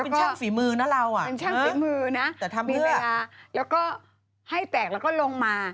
มันช่างฝีมือนะเรามันช่างฝีมือนะมีเวลาแล้วก็ให้แตกแล้วก็ลงมา